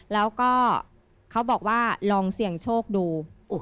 แล้วก็เขาบอกว่าลองเสี่ยงโชคดู